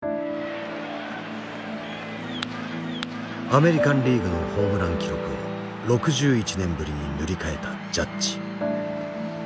アメリカンリーグのホームラン記録を６１年ぶりに塗り替えたジャッジ。